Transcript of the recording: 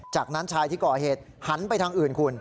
จากนั้นชายที่ก่อเหตุหันไปทางอื่นคุณ